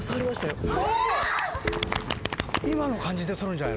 今の感じで取るんじゃ？